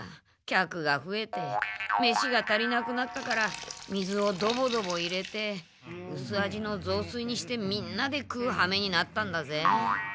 客がふえてめしが足りなくなったから水をドボドボ入れて薄味の雑炊にしてみんなで食うはめになったんだぜ。